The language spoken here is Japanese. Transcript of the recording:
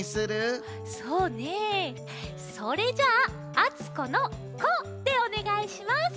そうねそれじゃああつこの「こ」でおねがいします。